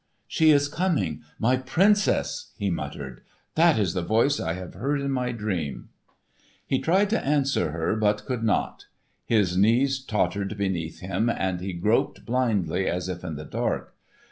"She is coming—my Princess!" he muttered. "That is the voice I have heard in my dream." He tried to answer her, but could not. His knees tottered beneath him and he groped blindly as if in the dark.